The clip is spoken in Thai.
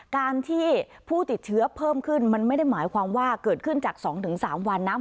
การที่ผู้ติดเชื้อเพิ่มขึ้นมันไม่ได้หมายความว่าเกิดขึ้นจาก๒๓วันนะ